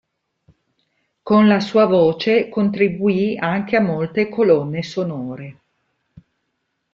Con la sua voce contribuì anche a molte colonne sonore.